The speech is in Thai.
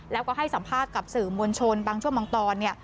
แล้วก็ให้สัมภาษณ์กับสื่อมวลชนบางช่วงบางตอนเนี่ย